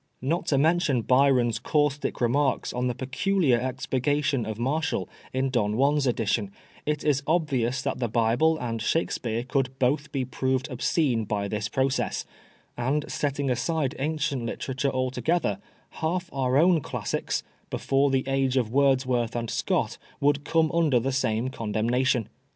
Not to mention Byron's caustic remarks on the peculiar expurgation of Martial in Don Juan's edition, it is obvious that the Bible and Shake speare could both be proved obscene by this process ; and setting aside ancient literature altogether, half our own classics, before the age of Wordsworth and Scott, would come under the same condemnation.